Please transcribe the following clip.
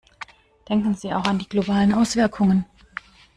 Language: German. Denken Sie auch an die globalen Auswirkungen.